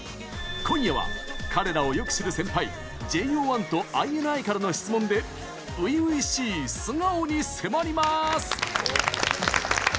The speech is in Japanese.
今夜は、彼らをよく知る先輩ＪＯ１とＩＮＩからの質問で初々しい素顔に迫りまーす！